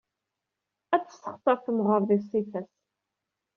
Ad tessexṣar temɣeṛ di ṣṣifa-s.